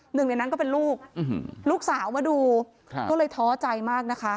หนึ่งในนั้นก็เป็นลูกลูกสาวมาดูก็เลยท้อใจมากนะคะ